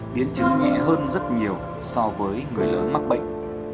biến chứng nhẹ hơn rất nhiều so với người lớn mắc bệnh